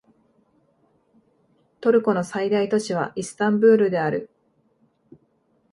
トルコの最大都市はイスタンブールである